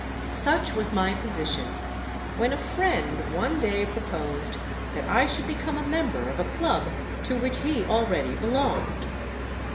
"Such was my position when a friend one day proposed that I should become a member of a Club to which he already belonged.